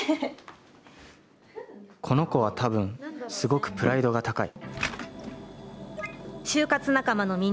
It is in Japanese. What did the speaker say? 「この子は、多分、すごくプライドが高い」。